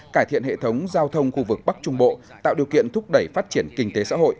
cải thiện hệ thống giao thông khu vực bắc trung bộ tạo điều kiện thúc đẩy phát triển kinh tế xã hội